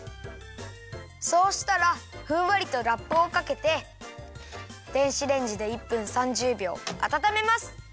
そうしたらふんわりとラップをかけて電子レンジで１分３０秒あたためます。